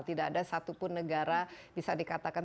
tidak ada satupun negara bisa dikatakan